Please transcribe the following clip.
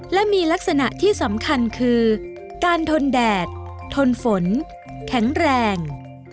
และมีลักษณะที่สำคัญคือการทนแดดทนฝนแข็งแรง